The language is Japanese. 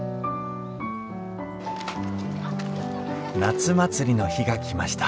夏祭りの日が来ました